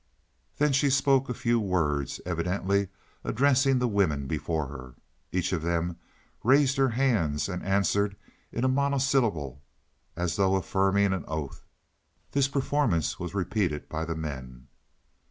Then she spoke a few words, evidently addressing the women before her. Each of them raised her hands and answered in a monosyllable, as though affirming an oath. This performance was repeated by the men.